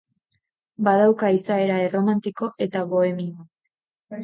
Badauka izaera erromantiko eta bohemioa.